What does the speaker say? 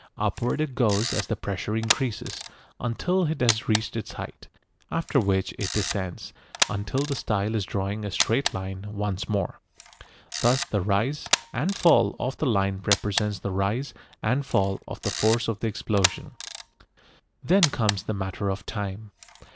Upward it goes as the pressure increases, until it has reached its height, after which it descends, until the style is drawing a straight line once more. Thus the rise and fall of the line represents the rise and fall of the force of the explosion. Then comes the matter of time.